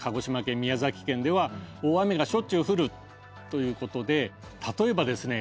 宮崎県では大雨がしょっちゅう降るということで例えばですね